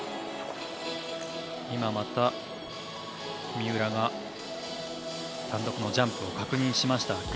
今また三浦が単独のジャンプを確認しました。